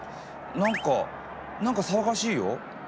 何か何か騒がしいよ。